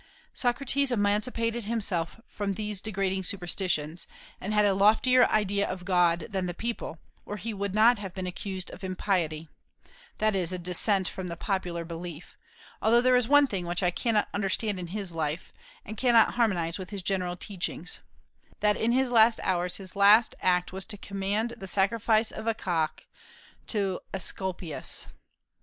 Socrates emancipated himself from these degrading superstitions, and had a loftier idea of God than the people, or he would not have been accused of impiety, that is, a dissent from the popular belief; although there is one thing which I cannot understand in his life, and cannot harmonize with his general teachings, that in his last hours his last act was to command the sacrifice of a cock to Aesculapius.